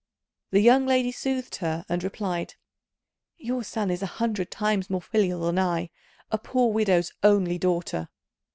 The young lady soothed her, and replied, "Your son is a hundred times more filial than I, a poor widow's only daughter."